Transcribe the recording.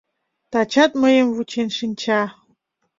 Тачат мыйым вучен шинча.